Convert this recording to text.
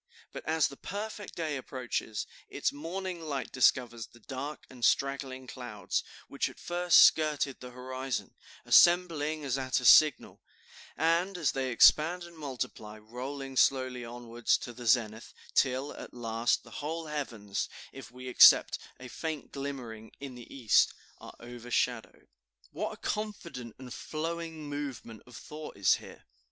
But as the perfect day approaches, its morning light discovers the dark and straggling clouds, which at first skirted the horizon, assembling as at a signal, and as they expand and multiply, rolling slowly onward to the zenith, till, at last, the whole heavens, if we except a faint glimmering in the East, are overshadowed." What a confident and flowing movement of thought is here!